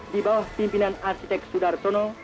di bawah pimpinan arsitek sudarsono